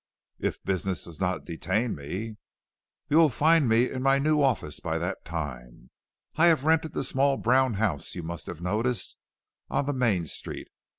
"If business does not detain me." "You will find me in my new office by that time. I have rented the small brown house you must have noticed on the main street.